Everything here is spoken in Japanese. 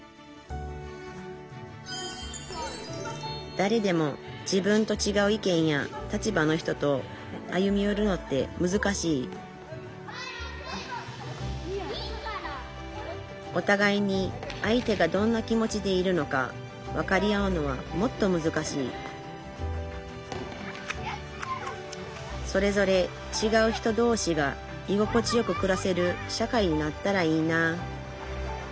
だれでも自分とちがう意見や立場の人と歩みよるのってむずかしいおたがいに相手がどんな気持ちでいるのか分かり合うのはもっとむずかしいそれぞれちがう人同士がいごこちよくくらせる社会になったらいいなあ